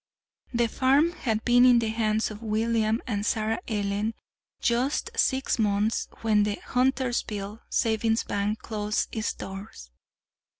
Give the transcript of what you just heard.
The farm had been in the hands of William and Sarah Ellen just six months when the Huntersville Savings Bank closed its doors.